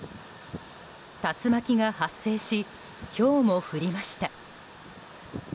竜巻が発生しひょうも降りました。